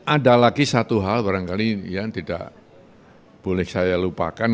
ada lagi satu hal barangkali yang tidak boleh saya lupakan